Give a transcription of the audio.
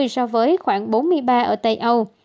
so với khoảng bốn mươi ba ở tây âu